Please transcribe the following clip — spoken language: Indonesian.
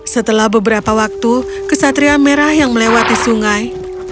setelah beberapa waktu kesatria merah yang melewati sungai